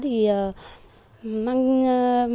thì mình không có đầu ra